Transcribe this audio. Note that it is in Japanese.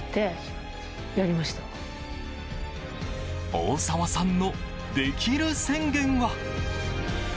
大沢さんの、できる宣言は。